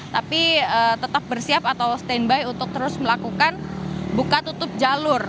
tapi tetap bersiap atau standby untuk terus melakukan buka tutup jalur